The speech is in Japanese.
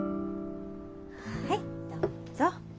はいどうぞ。